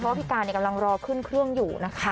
เพราะพี่กานเนี่ยกำลังรอขึ้นเครื่องอยู่นะคะ